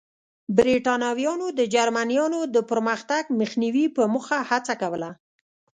برېټانویانو د جرمنییانو د پرمختګ مخنیوي په موخه هڅه کوله.